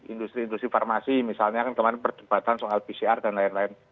industri industri farmasi misalnya kan kemarin perdebatan soal pcr dan lain lain